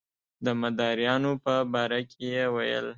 د مداریانو په باره کې یې ویل.